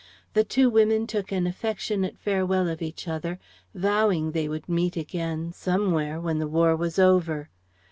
The two women took an affectionate farewell of each other, vowing they would meet again somewhere when the War was over.